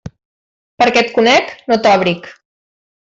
Perquè et conec, no t'òbric.